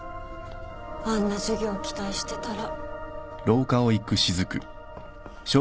あんな授業期待してたら。